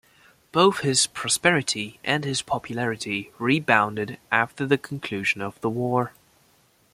Both his prosperity and his popularity rebounded after the conclusion of the war.